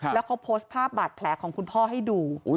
แล้วเขาโพสต์ภาพบาดแผลของคุณพ่อให้ดู